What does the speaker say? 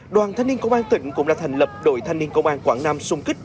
đoàn thanh niên công an tỉnh cũng đã thành lập đội thanh niên công an quảng nam xung kích